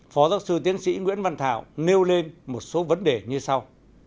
phó giáo sư tiến sĩ nguyễn văn thảo nêu lên một số vấn đề như sau